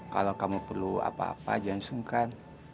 kalau kamu perlu apa apa jangan sungkan